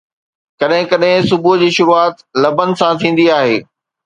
ڪڏهن ڪڏهن صبح جي شروعات لبن سان ٿيندي آهي